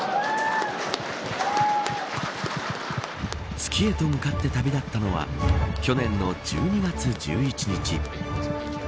月へと向かって旅立ったのは去年の１２月１１日。